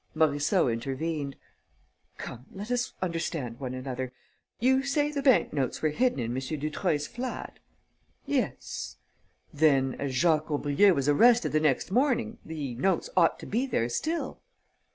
Morisseau intervened: "Come, let us understand one another. You say the bank notes were hidden in M. Dutreuil's flat?" "Yes." "Then, as Jacques Aubrieux was arrested the next morning, the notes ought to be there still?"